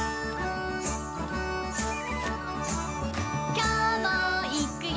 「きょうもいくよ！」